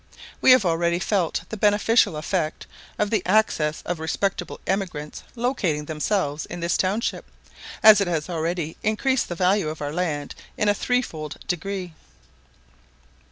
We have already felt the beneficial effect of the access of respectable emigrants locating themselves in this township, as it has already increased the value of our own land in a three fold degree.